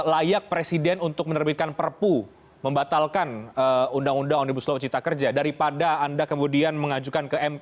layak presiden untuk menerbitkan perpu membatalkan undang undang omnibus law cipta kerja daripada anda kemudian mengajukan ke mk